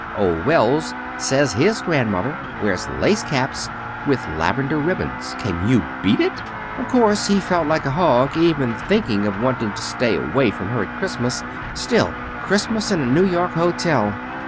Old Wells says his grandmother wears lace caps with lavender ribbons. Can you beat it! Of course he felt like a hog, even thinking of wanting to stay away from her at Christmas. Still, Christmas in a New York hotel